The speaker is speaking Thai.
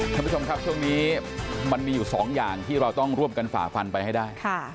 ท่านผู้ชมครับช่วงนี้มันมีอยู่สองอย่างที่เราต้องร่วมกันฝ่าฟันไปให้ได้